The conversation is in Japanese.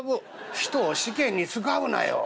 「人を試験に使うなよ」。